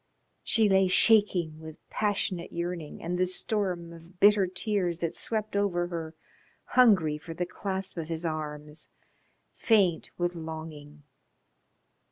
She lay shaking with passionate yearning and the storm of bitter tears that swept over her, hungry for the clasp of his arms, faint with longing.